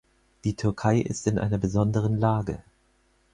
Die Türkei ist in einer besonderen Lage.